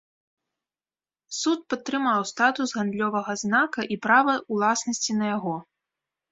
Суд падтрымаў статус гандлёвага знака і права ўласнасці на яго.